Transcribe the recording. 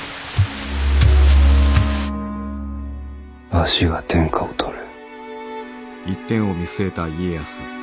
わしが天下を取る。